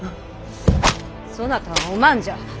そなたはお万じゃ。